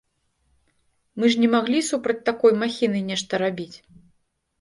Мы ж не маглі супраць такой махіны нешта рабіць.